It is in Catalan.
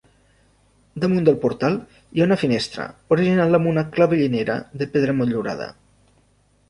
Damunt del portal hi ha una finestra, original amb una clavellinera de pedra motllurada.